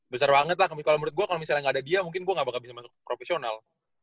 besar banget lah kalau menurut gue kalau misalnya nggak ada dia mungkin gue gak bakal bisa masuk profesional